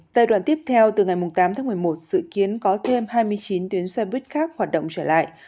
giai đoạn tiếp theo từ ngày tám tháng một mươi một dự kiến có thêm hai mươi chín tuyến xe buýt khác hoạt động trở lại